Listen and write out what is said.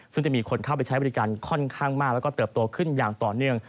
ซึ่งจะมีคนเข้าไปใช้บริการค่อนข้างมากแล้วก็เติบโตขึ้นอย่างต่อเนื่อง